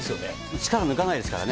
力抜かないですからね。